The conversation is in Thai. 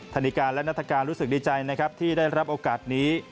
ธนิการและนัฐกาลรู้สึกดีใจนะครับที่ได้รับโอกาสนี้